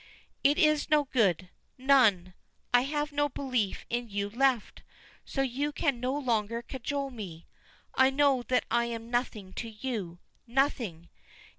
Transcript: "It is no good. None! I have no belief in you left, so you can no longer cajole me. I know that I am nothing to you. Nothing!